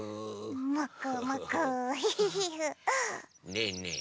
ねえねえ。